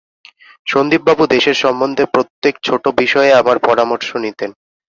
সন্দীপবাবু দেশের সম্বন্ধে প্রত্যেক ছোটো বিষয়ে আমার পরামর্শ নিতেন।